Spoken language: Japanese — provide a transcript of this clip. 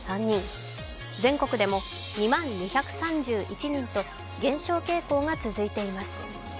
全国でも２０２３１人と減少傾向が続いています。